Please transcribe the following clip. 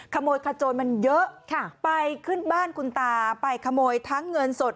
ขโมยขโจรมันเยอะไปขึ้นบ้านคุณตาไปขโมยทั้งเงินสด